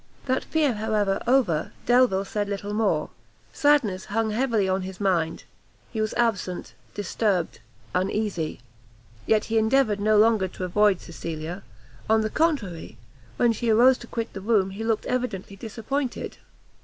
That fear, however, over, Delvile said little more; sadness hung heavily on his mind; he was absent, disturbed, uneasy; yet he endeavoured no longer to avoid Cecilia; on the contrary, when she arose to quit the room, he looked evidently disappointed.